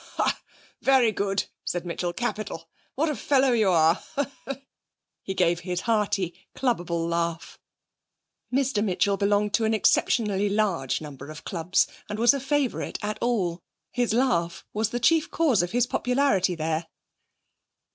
'Ha, very good,' said Mitchell. 'Capital. What a fellow you are!' He gave his hearty, clubbable laugh. Mr Mitchell belonged to an exceptionally large number of clubs and was a favourite at all. His laugh was the chief cause of his popularity there.